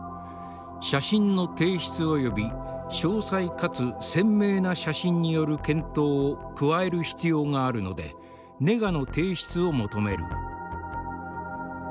写真の提出および詳細かつ鮮明な写真による検討を加える必要があるのでネガの提出を求める」